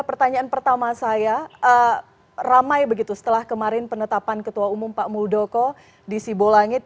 pertanyaan pertama saya ramai begitu setelah kemarin penetapan ketua umum pak muldoko di sibolangit